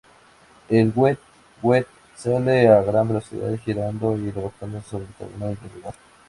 El weet-weet sale a gran velocidad y girando, y rebotando sobre el terreno irregular.